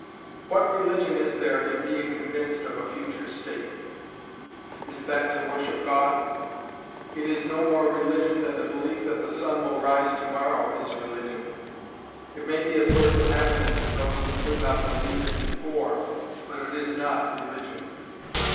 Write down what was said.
What religion is there in being convinced of a future state? Is that to worship God? It is no more religion than the belief that the sun will rise to morrow is religion. It may be a source of happiness to those who could not believe it before, but it is not religion.